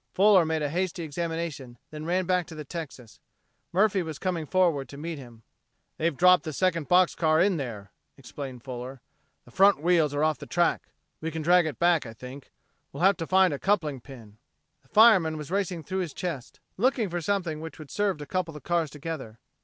Fuller made a hasty examination, then ran back to the Texas. Murphy was coming forward to meet him. "They've dropped the second box car in there," explained Fuller. "The front wheels are off the track. We can drag it back, I think. We'll have to find a coupling pin." The fireman was racing through his chest, looking for something which would serve to couple the cars together.